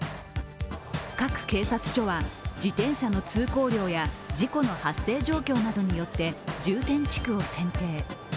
各警察署は自転車の通行量や事故の発生状況などによって重点地区を選定。